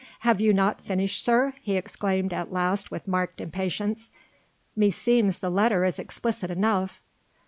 "Have you not finished, sir?" he exclaimed at last with marked impatience, "meseems the letter is explicit enough."